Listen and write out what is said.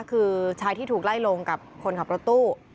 คือชายที่ถูกไล่ลงกับคนขับรถตู้